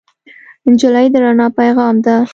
نجلۍ د رڼا پېغام ده.